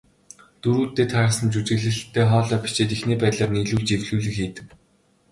Дүрүүддээ таарсан жүжиглэлттэй хоолой бичээд, эхний байдлаар нийлүүлж эвлүүлэг хийдэг.